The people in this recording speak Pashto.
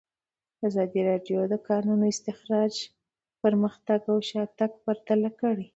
ازادي راډیو د د کانونو استخراج پرمختګ او شاتګ پرتله کړی.